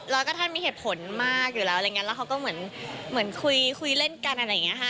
แล้วก็ท่านมีเหตุผลมากอยู่แล้วอะไรอย่างเงี้แล้วเขาก็เหมือนคุยคุยเล่นกันอะไรอย่างนี้ค่ะ